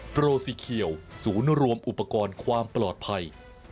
โปรสีเขียวศูนย์รวมอุปกรณ์ความปลอดภัย